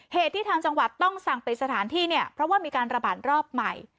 เหตุที่ทางจังหวัดต้องสั่งปิดสถานที่เนี่ยเพราะว่ามีการระบาดรอบใหม่